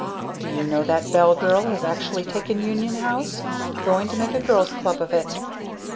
"Do you know that Bell girl has actually taken Union House? Going to make a Girl's Club of it!"